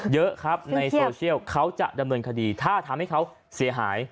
เยอะครับในโซเชียลเขาจะดำเนินคดีถ้าทำให้เขาเสียหาย